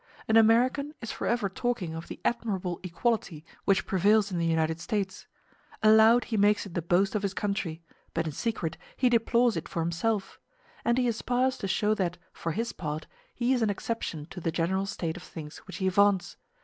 An American is forever talking of the admirable equality which prevails in the United States; aloud he makes it the boast of his country, but in secret he deplores it for himself; and he aspires to show that, for his part, he is an exception to the general state of things which he vaunts.